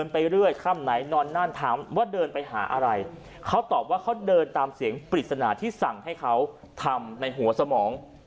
ไปเรื่อยค่ำไหนนอนนั่นถามว่าเดินไปหาอะไรเขาตอบว่าเขาเดินตามเสียงปริศนาที่สั่งให้เขาทำในหัวสมอง